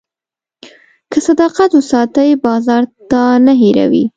که صداقت وساتې، بازار تا نه هېروي.